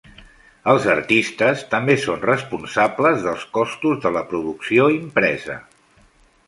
Els artistes també són responsables dels costos de la producció impresa.